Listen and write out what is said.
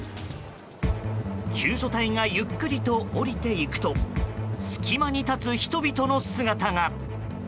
救助隊がゆっくりと降りていくと隙間に立つ人々の姿が。